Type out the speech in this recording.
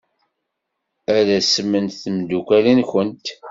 Ad asment tmeddukal-nwent.